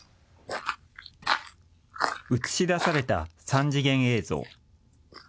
映し出された３次元映像。